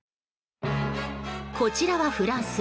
こちらはフランス。